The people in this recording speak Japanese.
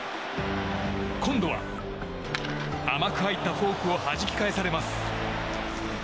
今度は甘く入ったフォークをはじき返されます。